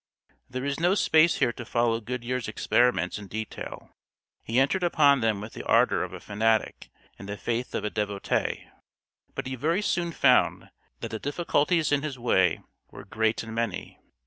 There is no space here to follow Goodyear's experiments in detail. He entered upon them with the ardor of a fanatic and the faith of a devotee. But he very soon found that the difficulties in his way were great and many.